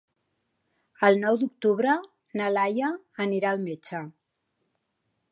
El nou d'octubre na Laia anirà al metge.